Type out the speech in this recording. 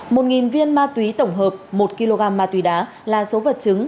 một viên ma túy tổng hợp một kg ma túy đá là số vật chứng